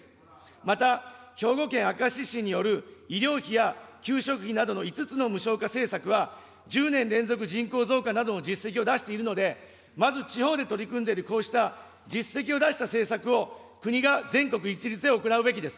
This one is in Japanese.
また、兵庫県明石市による医療費や給食費などの５つの無償化政策は、１０年連続人口増加などの実績を出しているので、まず地方で取り組んでいる、こうした実績を出した政策を国が全国一律で行うべきです。